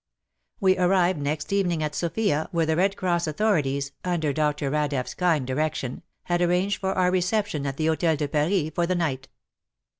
We arrived next evening at Sofia, where the Red Cross author ities, under Dr. Radeff's kind direction, had arranged for our reception at the Hotel de Paris for the night.